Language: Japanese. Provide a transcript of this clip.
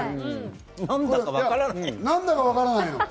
何だかわからない。